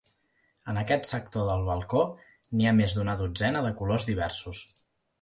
En aquest sector del balcó n'hi ha més d'una dotzena de colors diversos.